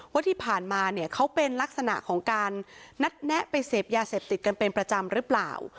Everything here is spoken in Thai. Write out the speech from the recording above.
ว่าที่ผ่านมาเนี่ยเขาเป็นลักษณะของการนัดแนะไปเสพยาเสพติดกันเป็นประจำหรือเปล่า